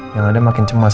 yang ada makin cemas